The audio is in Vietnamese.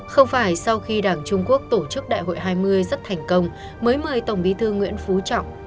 không phải sau khi đảng trung quốc tổ chức đại hội hai mươi rất thành công mới mời tổng bí thư nguyễn phú trọng